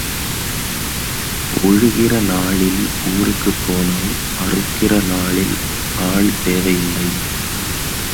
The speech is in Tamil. உழுகிற நாளில் ஊருக்குப் போனால், அறுக்கிற நாளில் ஆள் தேவையில்லை.